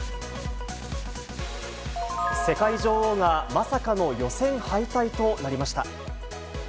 世界女王がまさかの予選敗退となりました。